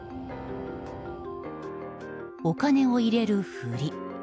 お金を入れるふり。